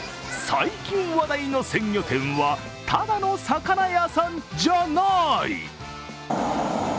最近話題の鮮魚店はただの魚屋さんじゃない。